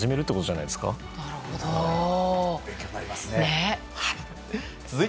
なるほど、勉強になります。